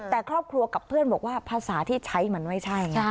แต่ครอบครัวกับเพื่อนบอกว่าภาษาที่ใช้มันไม่ใช่